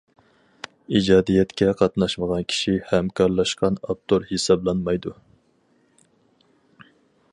ئىجادىيەتكە قاتناشمىغان كىشى ھەمكارلاشقان ئاپتور ھېسابلانمايدۇ.